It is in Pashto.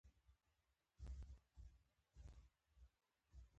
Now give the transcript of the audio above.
دا عیبونه د نوي تمدن په جانبي عوارضو کې حسابېږي